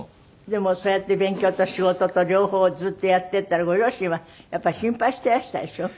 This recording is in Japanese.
でもそうやって勉強と仕事と両方をずっとやってったらご両親はやっぱり心配してらしたでしょ？